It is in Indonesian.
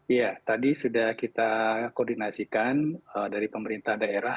iya tadi sudah kita koordinasikan dari pemerintah daerah